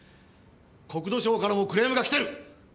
国土省からもクレームが来てる！